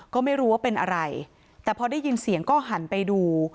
ก็ไม่รู้ว่าเป็นอะไรแต่พอได้ยินเสียงก็หันไปดู